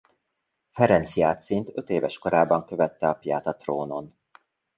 Ferenc Jácint ötéves korában követte apját a trónon.